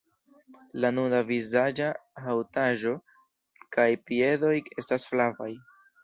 La nuda vizaĝa haŭtaĵo kaj piedoj estas flavaj.